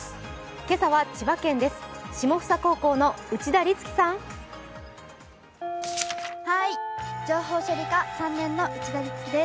今朝は千葉県です。